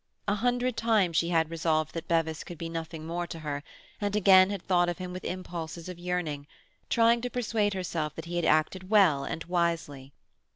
A hundred times she had resolved that Bevis could be nothing more to her, and again had thought of him with impulses of yearning, trying to persuade herself that he had acted well and wisely.